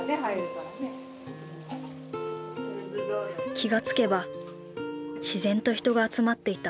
気がつけば自然と人が集まっていた。